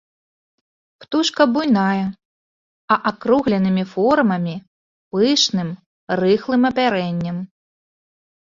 Птушка буйная, а акругленымі формамі, пышным, рыхлым апярэннем.